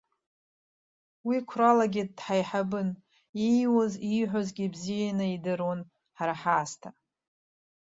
Уи қәралагьы дҳаиҳабын, ииуаз-ииҳәозгьы бзиаӡаны идыруан ҳара ҳаасҭа.